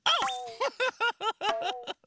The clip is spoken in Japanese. フフフフフフ。